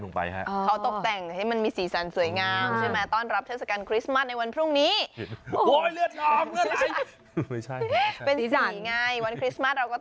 ยังไงตะลึงตะลึงตะลึงตึกตึกตึกตึกตึกตึก